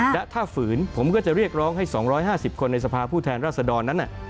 และถ้าฝืนผมก็จะเรียกร้องให้๒๕๐คนในสภาพผู้แทนรัศดรนั้น